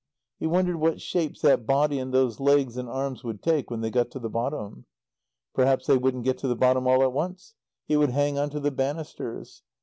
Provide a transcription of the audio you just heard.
He wondered what shapes that body and those legs and arms would take when they got to the bottom. Perhaps they wouldn't get to the bottom all at once. He would hang on to the banisters.